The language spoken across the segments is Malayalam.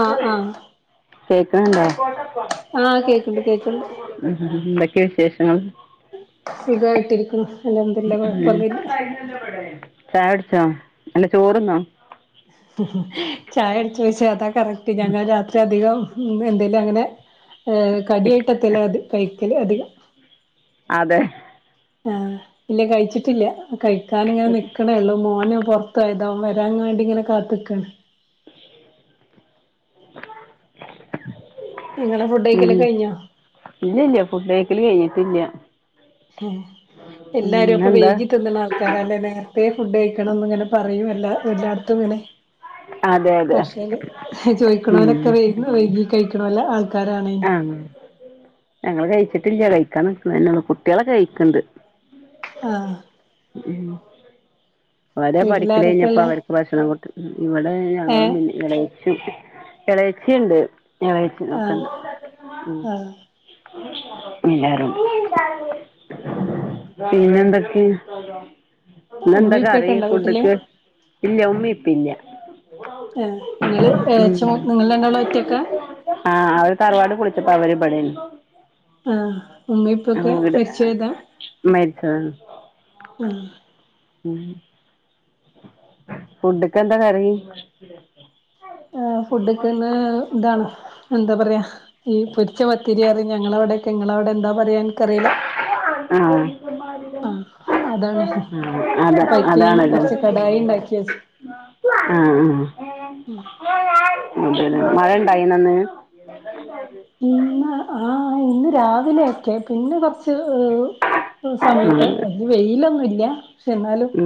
ആഹ് ആഹ് കേക്ണണ്ടോ ആഹ് കേക്ക്ണ്ട് കേക്ക്ണ്ട് ക്കെ ശേഷങ്ങള് സുഖായിട്ടിരിക്കുന്നു അൽഹംദുലില്ലാഹ് കൊഴപ്പൊന്നുല്ല ചായൊടിച്ചോ അല്ല ചോറ്ന്നോ ചായ കുടിച്ചോയിച്ച അതാ കറക്റ്റ് ഞങ്ങൾ രാത്രി അധികം എന്തെ ലു അങ്ങനെ കടി അയപട്ടത്തെ ലാ അത് കഴി കല് അധികം അതെ ആ ഇല്ല കഴിച്ചിട്ടില്ല കഴിക്കാനിങ്ങനെ നിക്കണേള്ളൂ മോന് പൊറത്തോയതാ ഓൻ വരാൻ വേണ്ടി ഇങ്ങനെ കാത്തിക്കാണ് നിങ്ങളെ ഫുഡ് ഉം കഴിക്കലൊക്കെ കഴിഞ്ഞോ ഇല്ലല്ല ഫുഡയ്ക്കല് കഴിഞ്ഞിട്ടില്ല ഹേ എല്ലാരും ഉം അപ്പൊ എന്താ വൈകി തിന്നണ ആൾക്കാരാല്ലേ മേ രതേ ഫുഡ് കഴിക്കണംന്ന്ങ്ങനെ പറയുവല്ല എല്ലാടത്തും ഇങ്ങനെ അതെ അതെ പക്ഷെ ഉം ചോദിക്കണവനൊക്കെ വൈകി കഴി ണോല്ല അ ആ ഞങ്ങള് കഴിച്ചി ട്ടില്ല്യ കഴിക്കാൻ നിക്ണന്നേള്ളു കുട്ടികള് കഴിക്ണ്ട് ആഹ് അവരെ പഠിക്കല് കഴിഞ്ഞപ്പോ വീട്ടിലാരൊക്കെള്ളെ അവർക്ക് ഭക്ഷണം കൊടുത്ത് ഇവിടെ ഞങ്ങളും ഏഹ് പിന്നെ ഇളയിച്ചിയും ഇളയിച്ചിണ്ട് ഇളയിച്ചി ആഹ് ഒക്കെണ്ട് ഉം ആഹ് എല്ലാരും പിന്നെ എന്തൊക്കെ ഇന്നെന്താ ഉമ്മേം പറയ് ഉപ്പേക്കെണ്ടോ ഫുഡ് വീട്ടില് ക്ക് ഇല്ലേ ഉ ഉമ്മി യിപ്പില്ല ആഹ് ഇങ്ങള് ഏച്ചം നിങ്ങൾ രണ്ടാളും ഒറ്റക്കാ ആ അവര് തറവാട് പൊളിച്ചപ്പോ അവരിടെനി ആഹ് ഉമ്മേം ഉപ്പേക്കെ അങ്ങട് മരിച്ചു പോയതാ മരിച്ചതാണ് ഉം ഫുഡൊക്കെ എന്താ കറി ആ ഫുഡ്ക്കിന്ന് ഇതാണ് എന്താ പറയാ ഈ പൊരിച്ച പത്തിരിപറയും ഞങ്ങളവിടെക്കെ നിങ്ങളവിടെ എന്താ പറയന്നെനിക്കറിയില്ല ആഹ് ആഹ അതാണ് ആഹ് അത പൈക്കാൻ കൊറച്ച് കടായി അതാണല്ലോ ഉണ്ടാക്കിയച്ച് ആ ആ ഉം മഴ ഇണ്ടായിനോ ഇന്ന് ആഹ ഇന്ന് രാവിലെയൊക്കെ പിന്നെ കൊറച്ച് സമയൊക്കെ വലിയ വെയിലൊന്നും ഇല്ല ഉ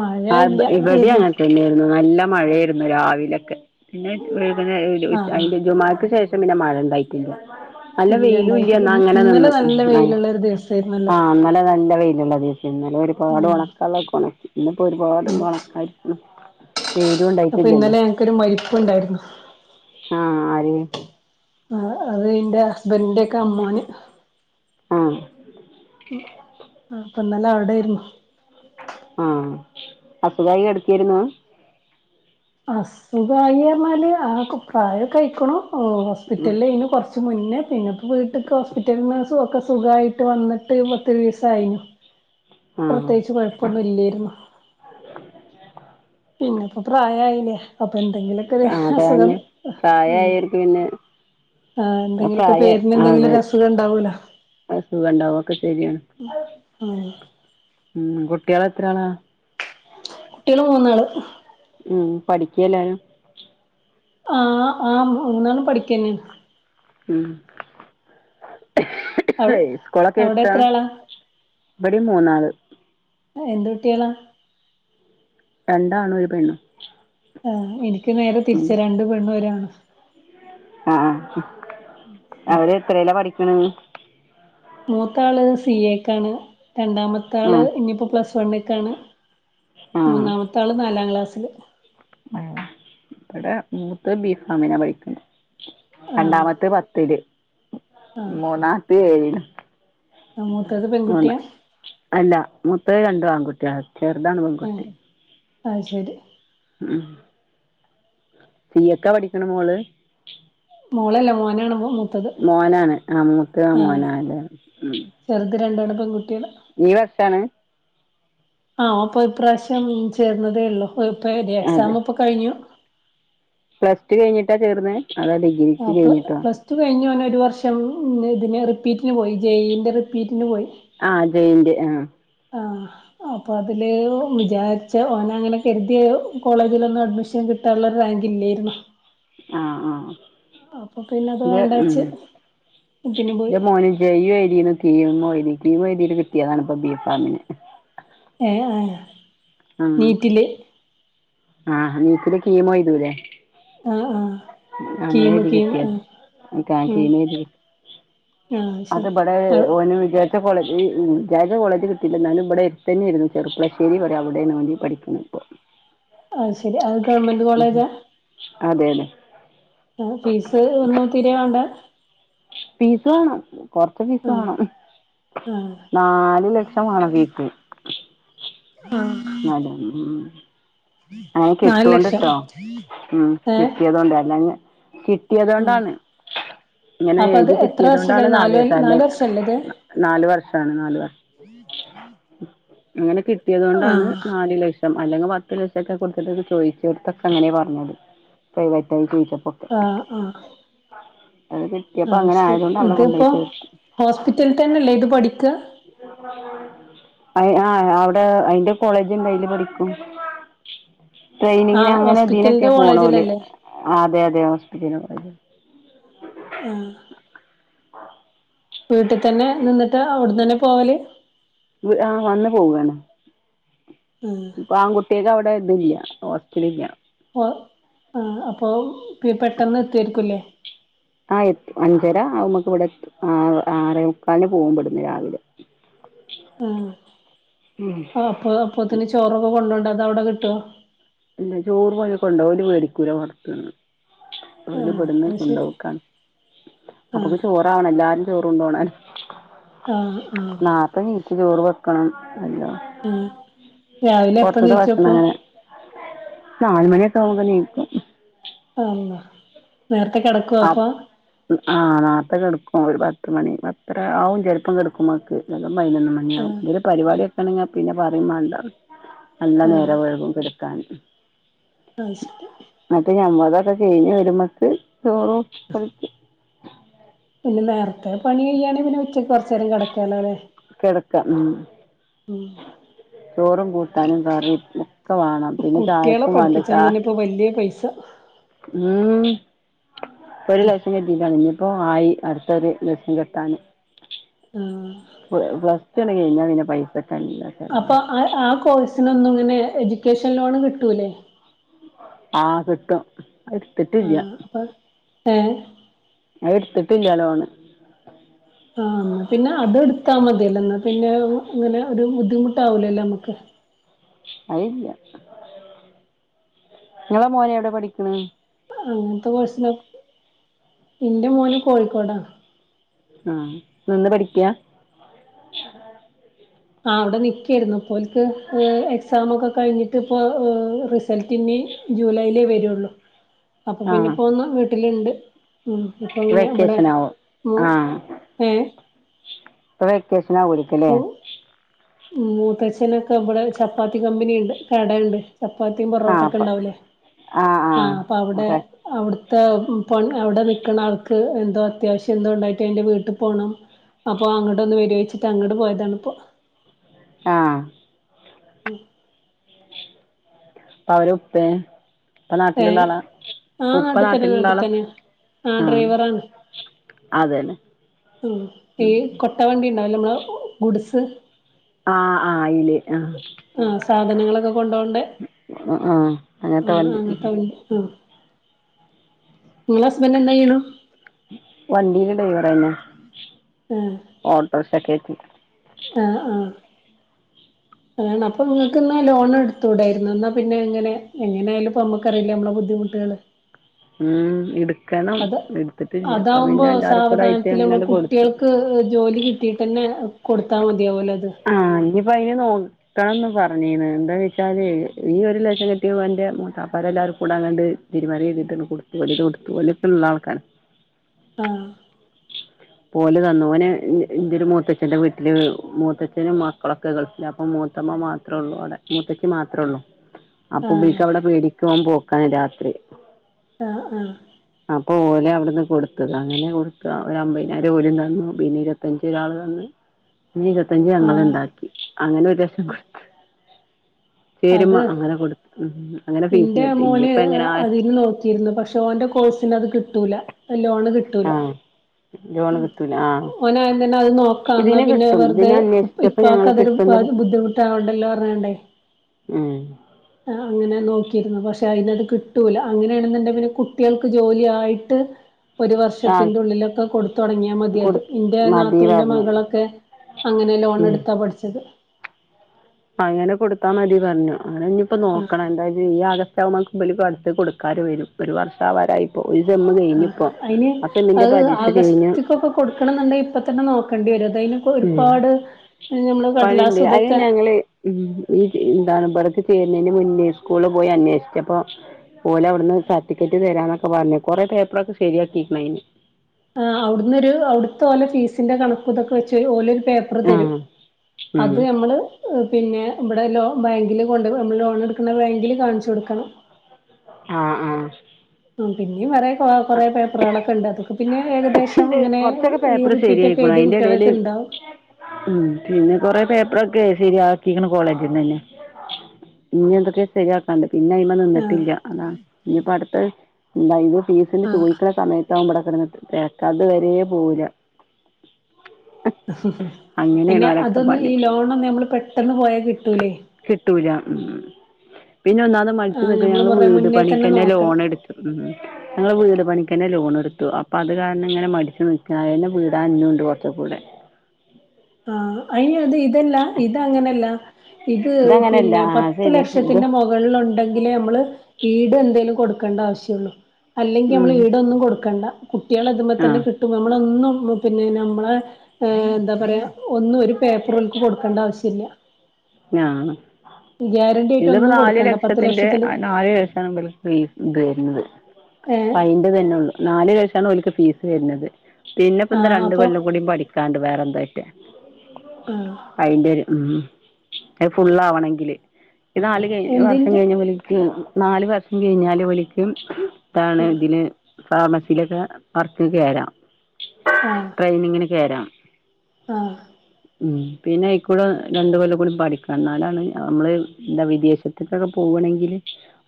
മഴ ആ ഇല്ല ഇവിടെ ആയിരുന്നു അങ്ങനെ തന്നെയായിരുന്നു നല്ല മഴയായിരുന്നു രാവിലൊക്കെ പിന്നെ അ ആഹ് അതിന്റെ ജുമാക്ക് ശേഷം പിന്നെ മഴയിണ്ടായിട്ടില്ല ഇല്ല ഉണ്ടായിട്ടില്ല ഇന്നലെ നല്ല വെയിലുള്ള ഒരു ദിവസ ആഹ അന്നലെ നല്ല വെയിലുള്ള ദിവസായിരുന്നു ഇന്നലെ ഒരുപാട് ഉം ഒണക്കാനുള്ളതൊക്കെ ഒണക്കി ഇന്നിപ്പോ ഉം ഒരുപാട്ണ്ട് ഒണക്കാൻ അപ്പൊ ഇന്നലെ ഞങ്ങക്കൊരു മരിപ്പുണ്ടായിരുന്നു ആ ആര് ആ അത് എന്റെ ഹസ്ബന്റിന്റൊക്കെ അമ്മോന് ആ ആ അപ്പൊ ഇന്നലെ അവിടായിരുന്നു ആഹ അസുഖമായി കിടക്കായിരുന്നു അസുഖമായിപറഞ്ഞാല് ആൾക്ക് പ്രായമൊക്കെ ആയിക്ക് ണു ഓ ഉം ഹോസ്പിറ്റലിൽ അയ്നു കുറച്ച് കുറച്ച മുന്നേ പിന്നെപ്പോ വീട്ട ഹോസ്പിറ്റലന്ന് സു ഒക്കെ സുഖമായിട്ട് വന്നിട്ട് പത്തി ദയസയിന് ആഹ് പ്രത്യേകിച്ച് കൊഴപ്പൊന്നും ഇല്ലരുന്നു പിന്നെപ്പൊ പ്രായ അയിലെ അപ്പൊ എന്തെങ്കിലൊക്കെ ഒരു അസുഖം അതന്നെ പ്രായായോർക്ക് പിന്നെ ആ ഇപ്പ എന്തെങ്കിലൊക്കെ പ്രായ പേരിന് എന്തെങ്കിലും അതെ ഒരു അസുഖം ഉണ്ടാവൂല അസുഖം ഉണ്ടാവും ഒക്കെ ശരിയാണ് ഉം കുട്ടികളെത്രളാ കുട്ടികള് മൂന്നാള് ഉം പഠിക്കല്ലെ ആ ആ മുന്നാണ് പഠിക്കന്യണ് ഉം അവി ഹ സ്കൂളൊക്കെ അവിടെ എത്ര എത്താം ആളാ ഇവിടെ മൂന്നാല് എന്ത് കുട്ടികളാ രണ്ട് ആണും ഒരു പെണ്ണും ആ എനി ക്ക് നേരെ തിരിച്ചാ രണ്ട് പെണ്ണും ഒരാണും ആ ഉം അവര് എത്രയിലാ പഠിക്കണത് മൂത്ത ആള് സിഎക്കാണ് രണ്ടാമത്തെ ആള് ആഹ് ഇനിയിപ്പോ പ്ലസ് വണ്ണേക്കാണ് മൂന്നാമത്തെ ആള് നാലാം ക്ലാസി ല് ആ ഇവിടെ മൂത്തത് ബീക്കോമിനാ പഠിക്കണത് ആഹ് രണ്ടാമത്തെ പത്തില് മൂന്നാമത്തെ ഏഴില് മൂത്തത് പെൺകുട്ടിയാ [unintelligible] അല്ല മൂത്തത് രണ്ടും ആൺകുട്ടികളാ ചെറുതാണ് ആഹ് പെൺകുട്ടി അത് ശരി ഉം സീയക്കാ പഠിക്കണ മോള് മോളല്ല മോനാണ് മോ മോനാണ് ആ മൂത്തത് ആ ആഹ് മോനാ അല്ലേ ഉം ചെറുത് [unintelligible] ഈ വർഷാണ് ആഹ്, ഓപ്പൊ ഇപ്രാവശ്യം ചേർന്നതേ ഇള്ളൂ. ഒരുപ്പൊ [unintelligible] അതെ എക്സാം ഇപ്പൊ കഴിഞ്ഞു. പ്ലസ് ടു കഴിഞ്ഞിട്ടാ ചേർന്ന്? അതാ ഡിഗ്രിക്ക് കഴിഞ്ഞിട്ടോ? രു വർഷം ഇതിന് റിപ്പീറ്റിന് പോയി ജെ ഈ ന്റെ റിപ്പീറ്റിന് പോയി. ആ ജെ ഈൻ്റെ, ആഹ്. ആഹ് അപ്പൊ അതില് വിചാരിച്ച ഓന അങ്ങനെ കരുതിയ കോളേജിലൊന്നും അഡ്മിഷൻ കിട്ടാള്ള ഒരു റാങ്ക് ഇല്യേര്ന്നു. ആഹ് ആഹ് പിന്നെ അത് ഇൻ്റെ ഉം വേണ്ടാച്ച് പിന്നെ പോയി ഇൻ്റെ മോന് ജെ യും എഴ്തീന്നു കീമും എഴ്തി കീമ് എഴ്തീട്ട് കിട്ടിയതാണ് ഇപ്പൊ ബി ഫാമിന്. ഏഹ്, ആ [unintelligible] നീറ്റില്. ആഹ് നീറ്റ്ല് കീമോയ്തൂലേ ആഹ് ആഹ് അങ്ങനെ കീമ് എഴുതി കീമ് ആഹ് കിട്ടിയത ആ ഉം കീമെഴ് തി ആഹ് ശരി അത്ബടെ അത് ഓന് വിചാരി ച്ച കോളജ് ജെജെ കോളേജ് കിട്ടീല്ല എന്നാലും ഇവിടെ എര്ത്തന്നേര്ന്നു ചെർപ്പളശ്ശേരി പറിം അവടേണ് ഓന് പഠിക്ക്ണ് ഇപ്പൊ അഹ് ശെരി അത് ഗവൺമെന്റ് കോളേജാ അതെ അതെ ആഹ് ഫീസ് ഒന്നും തീരെ വാണ്ട ഫീസ് വാണം കൊറച്ച് ഫീസ് ആഹ് വാണം ആഹ് നാലു ലക്ഷം വാണം ഫീസ് ആഹ് നാല് ഉം ഉം ഉം അങ്ങനെ നാല് കിട്ടോണ്ട് ലക്ഷം ട്ടോ ഉം ഏഹ് കിട്ടിയതോണ്ട് അല്ലങ്ങെ കി ആഹ് കിട്ടിയതോണ്ടാണ് ഇങ്ങനെ അപ്പൊ അത് എഴുതി എത്ര വർഷക്കാ കിട്ടിയതോണ്ടാണ് നാലു നാല് ലക്ഷം അല്ലേ നാല് വർഷല്ലേ ഇത് നാല് വർഷാണ് നാല് വർഷം അങ്ങനെ കിട്ട് ട്ടിയതോണ്ടാണ് ആഹ് നാല് ലക്ഷം അല്ലെങ്ങെ പത്ത് ലക് ക്കെ കൊടുത്തിട്ട് ചോയ്ച്ചോട്ത്തൊക്കെ ഇങ്ങനെയ പറഞ്ഞത് പ്രൈവറ്റ് ആയിട്ടേ ആഹ് ആഹ് അത് കിട്ടിയപ്പോ അത് അങ്ങനെ ശെരി ആയതുകൊണ്ട് അവിടെ കൊണ്ടോയി ഇത്പ്പോ ചേർത്തു ഹോസ്പിറ്റൽ തന്നല്ലേ ഇത് പഠിക്ക ആ അവടെ അയിന്റെ കോളേജ്ണ്ട് അയില് പഠിക്കും ട്രെയിനിങ്ങിന് ആഹ് അങ്ങനെ ഇതിനൊക്കെ ഹോസ്പിറ്റലിന്റെ പോണോല് കോളേജിലല്ലേ അതെ അതെ അതിനോടൊരു ആഹ് വീട്ട് തന്നെ നിന്നിട്ട് അവിടന്നന്നെ പോവല് ആഹ് വന്നു പോവാണ് ആഹ് ഇപ്പൊ ആൺകുട്ട്യേക്കവിടെ ഇതില്ല്യ ഹോസ്റ്റലില്ല്യ ഓഹ് ആ അപ്പൊ പെട്ടെന്ന് എത്തുവാരിക്കും ല്ലേ ആ എത്തും അഞ്ചര ആവുമ്പക്ക് ഇവിടെ എത്തും ആ ആറേ മുക്കാലിന് പോവും ഇബ്ട്ന്ന് രാവിലെ ആഹ് ഉം ആ അപ്പൊ അപ്പോത്തിന് ചോറൊക്കെ കൊണ്ടോണ്ടേ അതവിടെ കിട്ടുവോ ഇല്ല ചോറ് പോയ കൊണ്ടോവ ഓല് വേടിക്കൂല പൊറത്ത്ന്ന് ഓല് ആഹ് ഇബ്ന്ന് അത് ശരി കൊണ്ടോക്കാണ് ആഹ് അപ്പൊക്ക് ചോറാവണം എല്ലാരും ചോറൊണ്ടോണേ ആഹ് നാർത്തെ നീച്ച് ചോറ് വെ [unintelligible] ആ രാവിലെ എപ്പ നീച്ചും അപ്പൊ? നല് മണിയക്കെ ആവുമ്പൊ നീക്കും. ആ [unintelligible] [unintelligible] ആ നാർത്തെ കെടക്കും ഒരു പത് പത്ത് മണി പത്ര ആവും ചെലപ്പം കെടുകുമെക് [unintelligible] പതിനൊന്നു മണി ആവും ആഹ് എന്തേലും രു പരിപാടിക്കെ [unintelligible] പിന്നെ പറിം മാണ്ട നല്ല ആഹ് നേരം വൈകും കട്ക്കാൻ അത് ശരി അത്‌ ഞമ്മൾ അതൊക്കെ എയിഞ്ഞി വരുമ്മക് [unintelligible] പിന്നെ നേരത്തെ പണി കയ്യാണേൽ പിന്നെ ഉച്ചക്ക് ഒ കിടക്ക ഉം ചോറും കൂട്ടാനും കറി കെ ഒക്കെ വാണം പിന്നെ ചായക്കും വേണ്ട ചാ ത്ത ഉം.. ഒരു [unintelligible] ഇനി പ്പോ ആയി അടുത്തൊരു [unintelligible] കെട്ടാന് ആ [unintelligible] പൈസ അപ്പൊ ആ ആ കോഴ്സിനൊന്നും ഇങ്ങനെ എജു ക്കേഷൻ ലോണ് കിട്ടൂലേ ആഹ് കിട്ടും എടുത്തിട്ടില്യ ഏഹ് അത് എടുത്തിട്ടില്യ ലോണ് ആ എന്നാ പിന്നെ അതെടുത്താ മതിയല്ലോ എന്നാ പിന്നെ അങ്ങനെ ഒരു ബുദ്ധിമുട്ടാവുല്ലല്ലോ നമ്മക്ക് അയില്ല നിങ്ങളെ മോനെവിടെ പഠിക്കണ് അങ്ങനത്തെ കോഴസിലോ ഇന്റെ മോന് കോഴിക്കോടാ ആഹ് നിന്ന് പഠിക്ക്യ ആ അവിടെ നിക്കാരുന്നു ഓല്ക്ക് ഏഹ് എക്സാം ഒക്കെ കഴിഞ്ഞിട്ട് ഇപ്പോ ഏഹ് റിസൾട്ട് ഇനി ജൂലൈയിലേ വരുള്ളു അപ്പൊ ആ പിന്നെ പോന്ന വീട്ടിലുണ്ട് ഉ ഇപ്പ അങ്ങനെ ഇവിടെ വെക്കേഷൻ ആവും മ ആ ഏ ഇപ്പൊ വെക്കേഷൻ കുളിക്കലേ ഉ മൂത്തച്ഛനൊക്കെ ഇവിടെ ചപ്പാത്തി കമ്പനിയ ഉണ്ട് കടയുണ്ട് ചപ്പാത്തിയും ആ പൊറോട്ടൊക്കെ അപ്പൊ ഉണ്ടാവില്ലേ ആ അവിടെ അപ്പൊ അവിടു അവിടെ നിക്കുന്ന ആൾക്ക് എന്തോ അത്യാവശ്യം എന്തോ ഉണ്ടായിട്ട് അന്റെ വീട്ടിൽ പോണം അപ്പൊ അങ്ങോട്ട് ഒന്ന് വരുവെച്ച അങ്ങോട്ട് പോയതാണ്പ്പോ ആഹ ഉമം അപ്പ അവരു ഉപ്പേ ഉപ്പ ഏഹ നാട്ടിലുള്ള ആളാ ആ ഉപ്പ നാട്ടിൽത്തന്നെ നാട്ടിലുള്ള ആളാ നാട്ടിൽത്തന്നെ ആ ഡ്രൈവറ ആണ് അതന്നെ ആ ഈ ഉം കൊട്ടവണ്ടി ഉണ്ടാവല്ലോ നമ്മളു സ [unintelligible] ആ അയില് ആഹ് ആഹ സാധനങ്ങളൊക്കെ കൊണ്പോണ്ട ആഹ് ആ അങ്ങനത്തെ വണ്ടി അങ്ങനത്തെ വണ്ടി നിങ്ങള ഹസ്ബൻറ് എന്താ ചെയ്യണ വണ്ടിയില ഡ്രൈവറയിന്നെ ഓട്ടോറിക്ഷകേറ്റി ആഹ ആഹ അതാണ് അപ്പൊ നിങ്ങക്ക്ന്നാ ലോൺ എടുത്തൂടായിരുന്നു എന്നാ പിന്നെ എങ്ങനെ എങ്ങനെയാല ഇപ്പ നമ്മക്കറിയില്ല നമ്മള ബുദ്ധിമുട്ടുകള് ഉം ഇട് അത് അതാവുമ്പോ എല്ലാരും കൂടെ ആയിട്ട് സാവധാനത്തില്ൽ നമ്മള് അങ്ങനെയണ്ട് കൊടുത്തു കുട്ടികൾക്ക് ജോലി കിട്ടിയിട്ട് തന്നെ കൊടുത്താൽ മതിയ ഓലത് അപ്പൊ അതിനെ നോക്കണംന്ന് പറഞ്ഞന്ന് എന്താന്ന് വെച്ചാല് ഈ ഒരു ലക്ഷം കിട്ടിയ്പോ എന്റെ മൂത്താപ്പ എല്ലാവരും കൂടാ കണ്ട് തിരുമറി്തിട്ടന്ന് കൊടുത്തുല കൊടുത്തു പോല ഇ ഉള്ള ആൾക്കാണ് ആ പോല തന്നുവനെ എയ ഒരു മൂത്തച്ഛന്റെ വീട്ടില് മൂത്തച്ഛനും മക്കളൊക്കെ കളിച്ചില്ല അപ്പൊ മൂത്തമ്മ മാത്രേ ഉള്ളു അവിടെ മൂത്തച്ച്ചി മാത്രമേ ഉള്ളൂ അപ്പൊ ആഹ് ബീക്ക്വിടെ പേടിക്കും പോ പോക്കാന് രാത്രി ആഹ ആഹ അപ്പൊ ഓല അവിടുന്ന് കൊടുത്തത് അങ്ങനെ കൊടുത്ത ഒരു അമ്പതിനായിരം ഓല തന്നു പിന്നെ ഇരുപത്തഞ്ച ഒരാൾ തന്നു പിന്നെ ഇരുപത്തഞ്ച് ആഹ് ഞങ്ങുണ്ടാക്കി അങ്ങനെ ഒരുലക്ഷം കൊടുത്ത ചേരുമ്മ അത് അങ്ങനെ കൊടുത്ത് ഉ എന്റെ മോന് അതിന് നോക്കിയിരുന്നു പക്ഷെ ഓൻ കോഴ്സിന് അത് കിട്ടൂല ലോണ് കിട്ടൂല ആഹ് ലോണ് കിട്ടൂല ആഹ് ഓനായ തന്നെ അത് നോക്കാം എന്നാ ഇതിന് പിന്നെ കിട്ടും വെറുതെ ഇതിന് അന്വേഷിച്ചപ്പോ ഇപ്പക്ക്‌ ഞങ്ങള് അതൊരു കിട്ടുന്ന ബുദ്ധിമുട്ടാൊണ്ടല്ലോ പറഞ്ഞണ്ടേ ഉം അങ്ങനെ ന പക്ഷെ അതിനത് കിട്ടൂല അങ്ങനെയാണെന്നുണ്ട പിന്നെ കുട്ടികൾക്ക് ജോലിയായിട്ട് ഒരു ആഹ് വർഷത്തിന്റെ ഉള്ളിലൊക്കെ കൊടുത്ത തുടങ്ങിയാൽ മതിയത് കൊടു ഇന്റെ മതി നാത്തൂവിൻന്റെ പറഞ്ഞു മകളൊക്കെ അങ്ങനെ ലോൺ എടുത്താ പഠിച്ചത് ആ അങ്ങനെ കൊടുത്താ മതി പറഞ്ഞു അങ്ങനെ ഇഞ്ഞ് ഇപ്പം ആ നോക്കണം എന്തായാലും ഈ ആഗ [unintelligible] കൊട്ക്കാരെ വരും ഒരു വർഷാവാറായിപ്പോ ഒരു സെമ്മ് ആ കഴിഞ്ഞിപ്പോ അയിന് ആ സെമ്മിന്റെ അഹ് പരീക്ഷ കഴിഞ്ഞു ആഗസ്റ്റ്ക്കൊക്കെ കൊട്ക്കണം ഇന്ന്ണ്ടെങ്കി ഇപ്പ തന്നെ നോ കെണ്ടി വരും അ ഉം പണിയിണ്ട് കടലാസ് അയിന് ഇതൊക്കെ ഞങ്ങളെ ഉം ഈ ഇന്താണ് അതൊക്കെ ചെയ് ചേര്നെയ്ന് മുന്നേ സ്കൂൾ പോയി അന്വേഷ്ച്ചപ്പം ഓൽ അവ്ട്ന്ന് സർട്ടിഫിക്കറ്റ് തരാന്നൊക്കെ ക്കെ പർഞ്ഞ് കൊറെ പേപ്പറൊക്കെ ശരിയാക്കിക്ക്ൺ അയ്ൻ ആ അയുട്ന്നൊരു അയുട്ത്തെ ഓലെ ഫീസിന്റെ കണക്കും ഇതൊക്കെ വെച്ച് ഓൽ പേപ്പർ തരും ആഹ് ഉം അത് ഞമ്മൾ പിന്നെ ഇബടെ ലോ ബാങ്കിൽ കൊണ്ടൊയ് നമ്മൾ ലോൺ അടക്ക്ണ ബാങ്കിൽ കാണിച്ച് കൊട്ക്കണം ആ ആ ആ പിന്നിം പറയാ ആ കൊറെ പേപ്പറാളൊക്കെ ഇണ്ട് അതൊ കൊറച്ചൊക്കെ പേപ്പറ് റിപ്പീറ്റ് ഒക്കെ ശരിയായിക്കുണു എഴുതിയ അയിന്റെ എടേൽ കുട്ടികളൊക്കെ ഉണ്ടാവും ഉം പിന്നെ കൊറെ പേപ്പർ ഒ ക്കെ ശരിയാക്കിക്ക്ണ് കോളേജ്ന്നെന്നെ ഇഞ്ഞ് എന്തൊക്കെ ശെരിയാക്കാണ്ട് പിന്നെ അയിമ്മെ നിന്നിട്ടില്ല അതാണ് ഇഞ്ഞ്പ്പം അട്ത്തെയ് ഇല്ല ഇത് ഫീസിന് ആ ചോയിക്ക്ണ സമയ ട്ടാവും ഇബടെ കടന്ന് കേക്കാ അത് വരേ പോവുലാ എന്നെ ഓലൊക്കെ അതൊന്നും പണി ഈ ലോണൊന്നും ഞമ്മൾ പെട്ടന്ന് പോയാൽ കിട്ടൂലെയ് കിട്ടൂല ഉം പിന്നെ ഒന്നാമത് മട്ച്ച് നിക്ക് ണെ ഞമ്മള് ഞങ്ങൾ കൊറേ വീട് മുന്നേ പണിക്ക് തന്നെ എന്നെ നോക്കണം ലോൺ എട്ക്ക്ന്ന് ഞങ്ങളെ വീട് പണിക്കെന്നെ ലോൺ എട്ത്തു അപ്പ അപ്പം അത് കാരണം ഇങ്ങനെ മടിച്ച് നിക്കാ അയെന്നെ വീടാൻ ഇഞ്ഞും ഇണ്ട് കൊർച്ച് കൂടെ ആ അയ് ഇ അത് ഇതല്ല ഇത് അങ്ങനെയല്ല ഇത് ഇതങ്ങനല്ല പിന്നെ ആ പത്ത് ശരിയാ ഇത് ലക്ഷത്തിന്റെ മൊകളിൽ ഉണ്ടെങ്കിലെ മ്മൾ ഈട് എന്തേലും കൊട്ക്കെണ്ട ആവശ്യം ഒള്ളൂ അല്ലെങ്കി നമ്മൾ ഉം ഈടൊന്നും കൊട്ക്കണ്ട കുട്ടിയാളെ ഇത് മ്മെ തന്നെ ആഹ് കിട്ടും നമ്മൾ ഒന്നും ഉം മു പിന്നെ നമ്മളെ ഏ എന്താ പറയാ ഒന്നും ഒരു പേപ്പറും ഓൽക്ക് കൊട്ക്കണ്ട ആവശ്യ ഇില്ല ആ ആയിട്ട് ഇതിപ്പോ ഒന്നും നാല് കൊടുക്കണ്ട പത്ത് ലക്ഷത്തിന്റെ ലക്ഷത്തിന് നാലു ലക്ഷം ഇബൽക്ക് ഫീസ് ഇത് വെര്ന്നത് ഏ അപ്പം അയിന്റെ ഇതന്നെ ഒള്ളൂ നാല് ലക്ഷാണ് ഒൽക്ക് ഫീസ് വരുന്നത് പിന്നെപ്പൊ ആ ഇന്താ രണ്ട് അപ്പൊ കൊല്ലം കൂടിയും പഠിക്കാണ്ട് വേറെന്താ ട്ടെ ആ [unintelligible] അയിന്റെ ഒരു ഉം അ ഫുള്ളാവണെങ്കില് ഇത് നാല് കഴി വർഷം എന്തിന്റെ കഴിഞ്ഞ് വിളിക്കുവാ നാല് വർഷം കഴിഞ്ഞാല് ഒളിക്കും താണ് ഇതിന് ഫാർമസിയിലൊക്കെ വെ കറച്ച് കേയരാം [unintelligible] [unintelligible] ആ ട്രെയിനിങ്ങിന് കയരാം ആ ഉം പിന്നെ അയ്ക്കൂടെ രണ്ട് കൊല്ലം കൂടി പഠിക്ക എന്നാലാണ് നമ്മള് എന്താ വിദേശത്തേക്കൊക്കെ പോകണെങ്കില്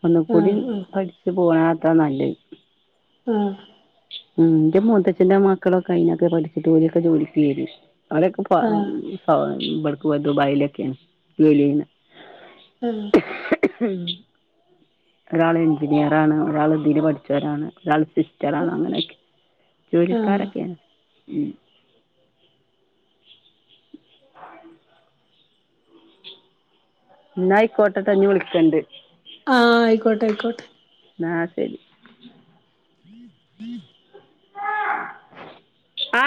ഒന്ന ആ കൂടി ആ പഠിച്ച് പോവാണ്. അത്ര നല്ല ആഹ ഉ എന്റെ മുത്തച്ഛന്റെറെ മക്കളൊക്കെ അതിനൊക്കെ പഠിച്ചിട്ട് ഒരു സം ജോലി കിട്ടിയാത്. അണേക്കപ്പ ആ ആ [unintelligible] ബടുക്കവാ ദു ബായിലക്കെയാണ്. വെളീന്ന് ഉഹ ഒരാൾ എഞ്ചിനീയറാണ് ഒരാൾ തില് പഠിച്ചവരാണ് ഒരാൾ സിസ്റ്ററ ആണ് അങ്ങനെയൊക്കെ ആ ജോലിക്കാരൊക്കെയാണ് ഉം എന്ന ആയിക്കോട്ടത്തഞ്ഞഞ് വിളിക്കണ്ട് ആഹ ആയിക്കോട്ടെ ആയിക്കോട്ടെ ആഹ ശരി [unintelligible] [unintelligible] ആ